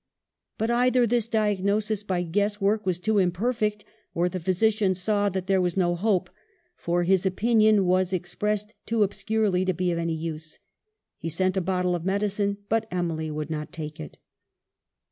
But either this diagnosis by guesswork was too imperfect, or the physician saw that there was no hope ; for his opinion was ex pressed too obscurely to be of any use. He sent a bottle of medicine, but Emily would not take it.